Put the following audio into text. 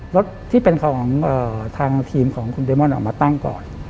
รถที่เป็นของทางทีมของคุณเดมอนออกมาตั้งก่อน